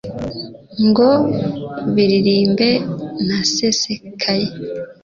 ngo biririmbe ntasesekaye